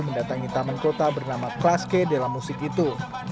mendatangi taman kota bernama klas k delamusik itu